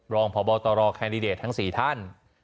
รองพบตรทั้ง๔ท่าน